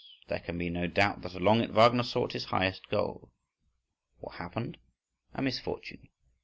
There can be no doubt that along it Wagner sought his highest goal.—What happened? A misfortune.